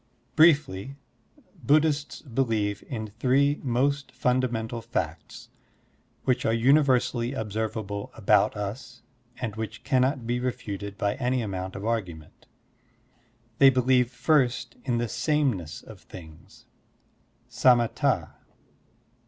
Briefly, Buddhists believe in three most ftmda mental facts which are universally observable about us and which cannot be refuted by any amount of argument. They believe first in the sameness of things (samatd).